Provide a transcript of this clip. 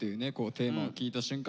テーマを聞いた瞬間